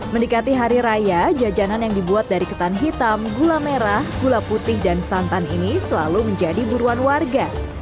mendekati hari raya jajanan yang dibuat dari ketan hitam gula merah gula putih dan santan ini selalu menjadi buruan warga